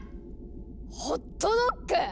ホットドッグ